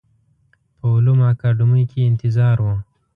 په علومو اکاډمۍ کې یې انتظار و.